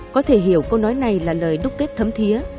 có thể hiểu câu nói này là lời đúc kết thấm thiế